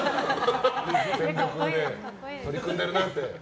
全力で取り組んでるなって。